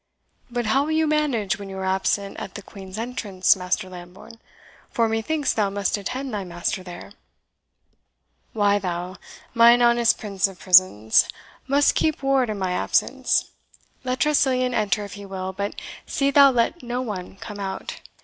"But how will you manage when you are absent at the Queen's entrance, Master Lambourne; for methinks thou must attend thy master there?" "Why thou, mine honest prince of prisons, must keep ward in my absence. Let Tressilian enter if he will, but see thou let no one come out.